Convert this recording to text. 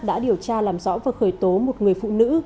đã điều tra làm rõ và khởi tố một người phụ nữ